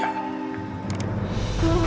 akan menjadikan kedamaian